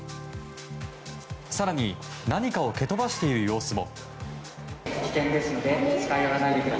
更に、何かを蹴飛ばしている様子も。